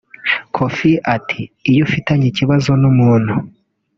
Koffi ati “Iyo ufitanye ikibazo n’umuntu